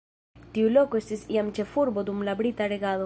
Tiu loko estis jam ĉefurbo dum la brita regado.